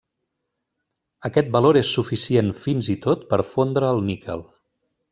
Aquest valor és suficient fins i tot per fondre el níquel.